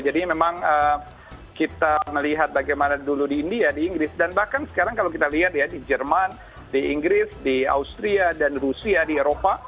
jadi memang kita melihat bagaimana dulu di india di inggris dan bahkan sekarang kalau kita lihat ya di jerman di inggris di austria dan rusia di eropa